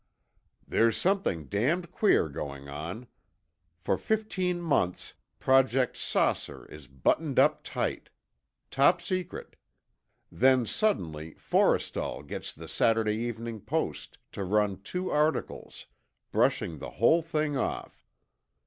"There's something damned queer going on. For fifteen months, Project 'Saucer' is buttoned up tight. Top secret. Then suddenly, Forrestal gets the Saturday Evening Post to run two articles, brushing the whole thing off.